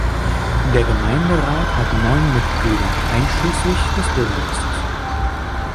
Der Gemeinderat hat neun Mitglieder einschließlich des Bürgermeisters.